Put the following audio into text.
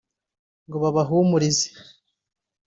ngo babahumurize”